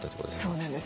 そうなんです。